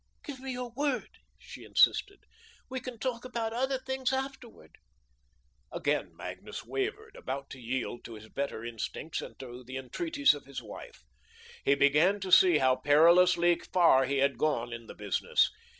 "Give me your word," she insisted. "We can talk about other things afterward." Again Magnus wavered, about to yield to his better instincts and to the entreaties of his wife. He began to see how perilously far he had gone in this business.